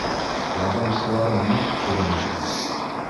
Ярҙамсыларың ныҡ күренә